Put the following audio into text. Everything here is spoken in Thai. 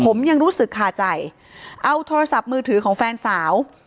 ผมยังรู้สึกคาใจเอาโทรศัพท์มือถือของแฟนสาว